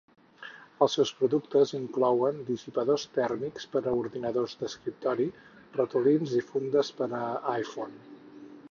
Els seus productes inclouen dissipadors tèrmics per a ordinadors d'escriptori, ratolins i fundes per a iPhone.